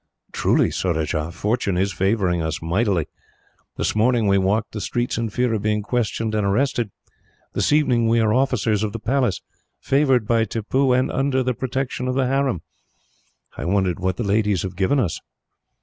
"Truly, Surajah, fortune is favouring us mightily. This morning, we walked the streets in fear of being questioned and arrested. This evening we are officers of the Palace, favoured by Tippoo, and under the protection of the harem. "I wonder what the ladies have given us."